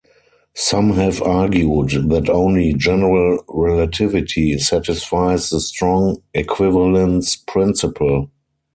Some have argued that only general relativity satisfies the strong equivalence principle.